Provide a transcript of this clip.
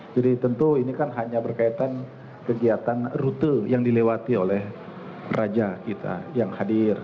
jadi tentu ini kan hanya berkaitan kegiatan rute yang dilewati oleh raja kita yang hadir